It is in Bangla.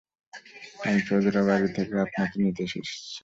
আমি চৌধুরীবাড়ি থেকে আপনাকে নিতে এসেছি স্যার।